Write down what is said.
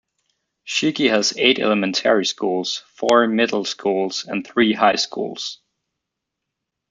Shiki has eight elementary schools, four middle schools and three high schools.